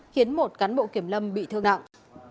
khiến một cán bộ kiểm lâm bị thương nặng